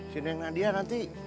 sini yang nadia nanti